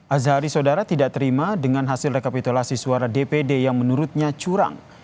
azari saudara tidak terima dengan hasil rekapitulasi suara dpd yang menurutnya curang